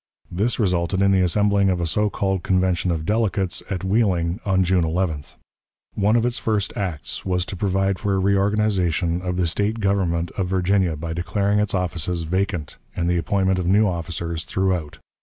This resulted in the assembling of a so called convention of delegates at Wheeling on June 11th. One of its first acts was to provide for a reorganization of the State government of Virginia by declaring its offices vacant, and the appointment of new officers throughout.